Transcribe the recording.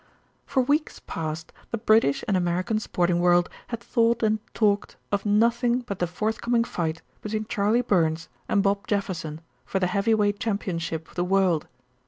For weeks past the British and American sporting world had thought and talked of nothing but the forthcoming fight between Charley Burns and Bob Jefferson for the heavyweight championship of the world.